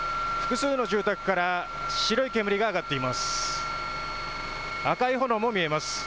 複数の住宅から白い煙が上がっています。